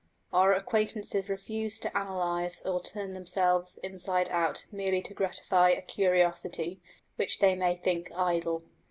Our acquaintances refuse to analyse or turn themselves inside out merely to gratify a curiosity which they may think idle.